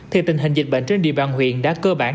thì tình hình dịch bệnh trên địa bàn huyện đã cơ bản